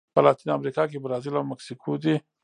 په لاتینه امریکا کې برازیل او مکسیکو دي.